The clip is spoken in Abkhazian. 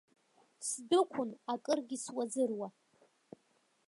Сдәықәын акыргьы суазыруа.